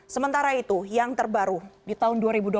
sementara itu yang terbaru di tahun dua ribu dua puluh